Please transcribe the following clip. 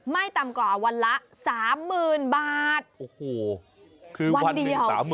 ไม่ต่ำกว่าวันละ๓๐๐๐บาทโอ้โหคือวันเดียว